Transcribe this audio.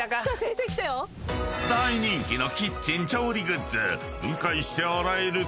［大人気のキッチン調理グッズ］